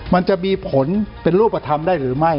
มันจะมีผลเป็นรูปธรรมได้หรือไม่